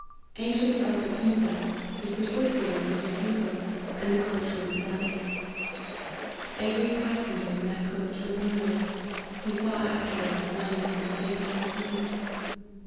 Anxious about the princess, he persisted in his refusal, and the coach went without him. Every passenger in that coach was murdered. He saw afterward the signs of their fate in the snow.